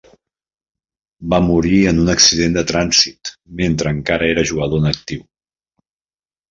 Va morir en un accident de trànsit mentre encara era jugador en actiu.